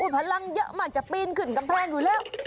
พลังเยอะมากจะปีนขึ้นกำแพงอยู่แล้ว